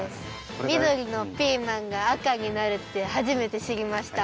みどりのピーマンがあかになるってはじめてしりました。